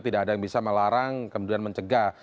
tidak ada yang bisa melarang kemudian mencegah